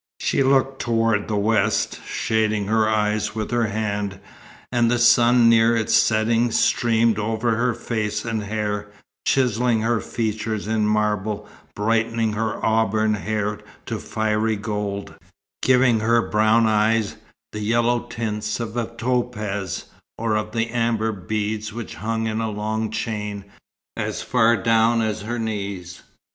She looked towards the west, shading her eyes with her hand: and the sun near its setting streamed over her face and hair, chiselling her features in marble, brightening her auburn hair to fiery gold, giving her brown eyes the yellow tints of a topaz, or of the amber beads which hung in a long chain, as far down as her knees.